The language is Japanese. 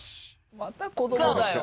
また子どもだよ。